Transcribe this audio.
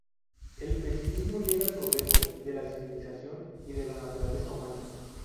El pesimismo niega el progreso de la civilización y de la naturaleza humana.